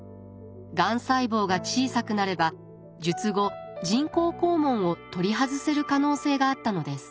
がん細胞が小さくなれば術後人工肛門を取り外せる可能性があったのです。